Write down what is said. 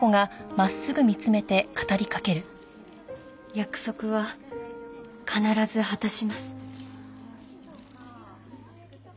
約束は必ず果たします。